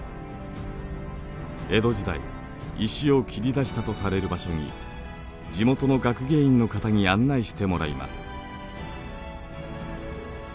江戸時代石を切り出したとされる場所に地元の学芸員の方に案内してもらいます。